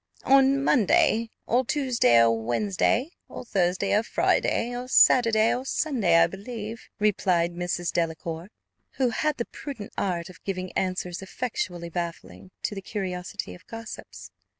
"On Monday or Tuesday or Wednesday or Thursday or Friday or Saturday or Sunday, I believe," replied Mrs. Delacour, who had the prudent art of giving answers effectually baffling to the curiosity of gossips.